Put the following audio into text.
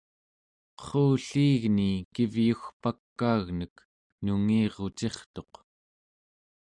qerrulliigni kivyugpakaagnek nungirucirtuq